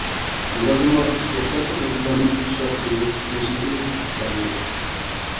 ئۇلاردىمۇ ئوخشاشلا خوتۇنلارنىڭ ئۇششاق سۆزلۈك خۇسۇسىيىتى باردۇر.